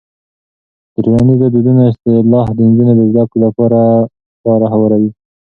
د ټولنیزو دودونو اصلاح د نجونو د زده کړې لپاره لاره هواروي.